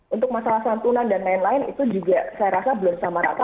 untuk masalah santunan dan lain lain itu juga saya rasa belum sama rata